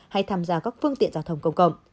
hay tham gia các phương tiện giao thông công cộng